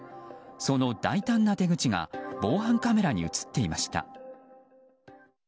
その大胆な手口が防犯カメラに映っていました。